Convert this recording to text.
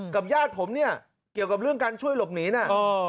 ญาติผมเนี่ยเกี่ยวกับเรื่องการช่วยหลบหนีนะ